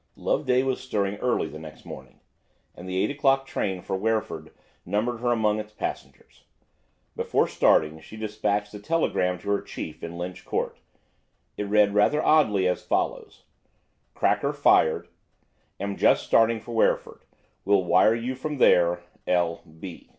Loveday was stirring early the next morning, and the eight o'clock train for Wreford numbered her among its passengers. Before starting, she dispatched a telegram to her chief in Lynch Court. It read rather oddly, as follows:– "Cracker fired. Am just starting for Wreford. Will wire to you from there. L.